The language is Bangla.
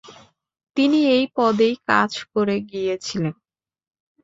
তিনি এই পদেই কাজ করে গিয়েছিলেন।